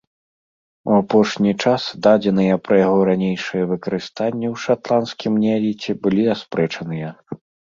У апошні час дадзеныя пра яго ранейшае выкарыстанне ў шатландскім неаліце былі аспрэчаныя.